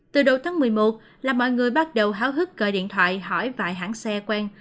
từ đầu tháng một mươi một là mọi người bắt đầu háo hức gọi điện thoại hỏi vài hãng xe quen